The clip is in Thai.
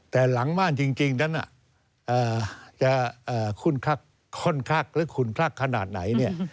แต่หลังบ้านจริงนั้นจะคุ้นคลักหรือขุนคลักขนาดไหนเนี่ย